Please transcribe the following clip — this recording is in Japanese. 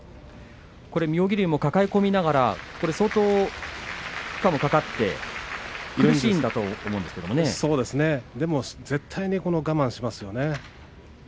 妙義龍も抱え込みながら相当、負担がかかって苦しいんだ絶対に我慢しますよね。